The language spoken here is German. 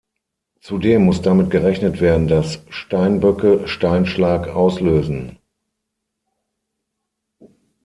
Zudem muss damit gerechnet werden, dass Steinböcke Steinschlag auslösen.